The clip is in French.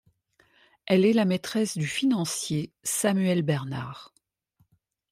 Elle est la maîtresse du financier Samuel Bernard.